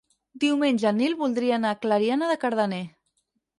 Diumenge en Nil voldria anar a Clariana de Cardener.